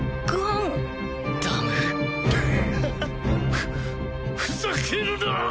ふふざけるな！